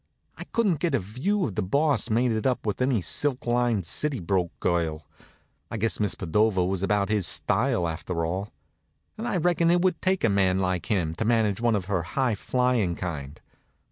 I couldn't get a view of the Boss mated up with any silk lined, city broke girl. I guess Miss Padova was about his style, after all; and I reckon it would take a man like him to manage one of her high flyin' kind.